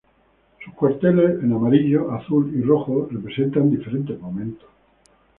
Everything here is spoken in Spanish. Sus cuarteles en amarillo, azul y rojo, representan diferentes momentos.